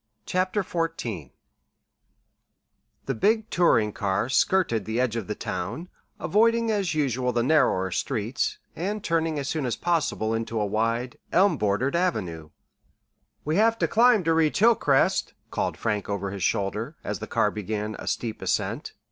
CHAPTER XIV The big touring car skirted the edge of the town, avoiding as usual the narrower streets, and turning as soon as possible into a wide, elm bordered avenue. "We have to climb to reach Hilcrest," called Frank over his shoulder, as the car began a steep ascent.